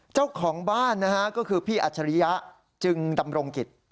เจ้าของบ้านนะฮะก็คือพี่อัจฉริยะจึงดำรงกิจ